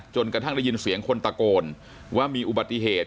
กระทั่งได้ยินเสียงคนตะโกนว่ามีอุบัติเหตุ